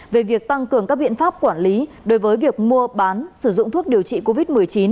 về việc tăng cường các biện pháp quản lý đối với việc mua bán sử dụng thuốc điều trị covid một mươi chín